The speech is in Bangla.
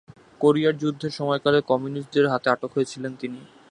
কোরিয়ার যুদ্ধের সময়কালে কমিউনিস্টদের হাতে আটক হয়েছিলেন তিনি।